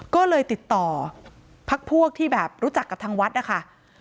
ก็เลยติดต่อพักพวกที่แบบรู้จักกับทางวัดนะคะ